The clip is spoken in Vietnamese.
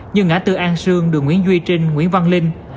như ngã tư an sương đường nguyễn duy trinh nguyễn văn linh